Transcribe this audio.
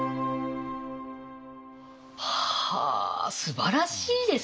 はあすばらしいですね。